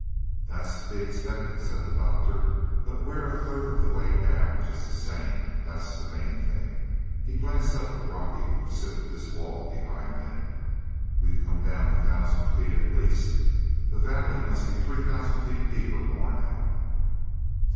"That's to be expected," said the Doctor. "But we're a third the way down, just the same; that's the main thing." He glanced up the rocky, precipitous wall behind them. "We've come down a thousand feet, at least. The valley must be three thousand feet deep or more now."